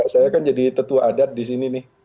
saya kan jadi tetua adat di sini nih